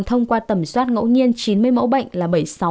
thông qua tẩm soát ngẫu nhiên chín mươi mẫu bệnh là bảy mươi sáu